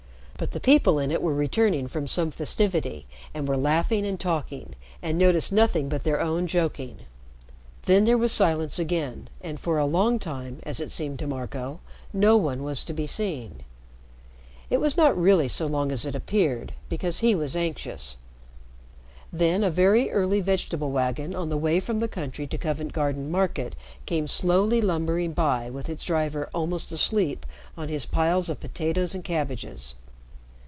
But the people in it were returning from some festivity, and were laughing and talking, and noticed nothing but their own joking. Then there was silence again, and for a long time, as it seemed to Marco, no one was to be seen. It was not really so long as it appeared, because he was anxious. Then a very early vegetable wagon on the way from the country to Covent Garden Market came slowly lumbering by with its driver almost asleep on his piles of potatoes and cabbages.